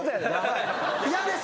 嫌です